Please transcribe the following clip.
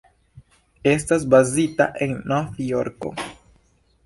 Estas bazita en Novjorko.